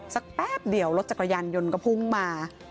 แป๊บเดียวรถจักรยานยนต์ก็พุ่งมา